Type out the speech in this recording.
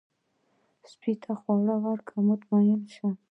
سپي ته خواړه ورکړه، مطمئن شي.